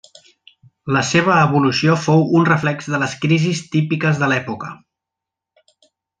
La seva evolució fou un reflex de les crisis típiques de l'època.